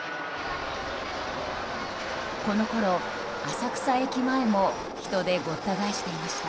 このころ、浅草駅前も人でごった返していました。